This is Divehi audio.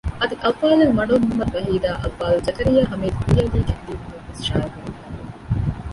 އަދި އަލްފާޟިލް މަޑުލު މުޙައްމަދު ވަޙީދާއި އަލްފާޟިލް ޒަކަރިއްޔާ ހަމީދު ފީއަލީ ގެ ލިޔުއްވުމެއް ވެސް ޝާއިއުކުރެވިފައި ވެ